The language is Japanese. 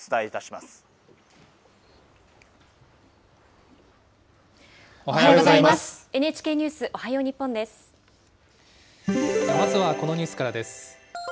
まずはこのニュースからです。